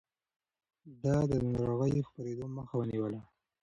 ده د ناروغيو د خپرېدو مخه ونيوله.